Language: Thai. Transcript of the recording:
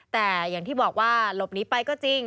แต่อย่างที่บอกว่าหลบหนีไปก็จริง